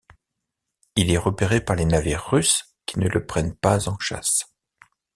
Il est repéré par les navires russes qui ne le prennent pas en chasse.